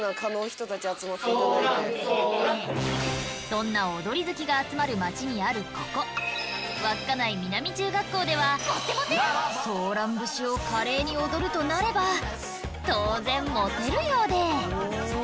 そんな踊り好きが集まる街にあるここ稚内南中学校では「ソーラン節」を華麗に踊るとなれば当然モテるようで。